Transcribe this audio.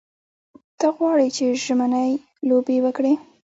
ته غواړې چې ژمنۍ لوبې وکړې.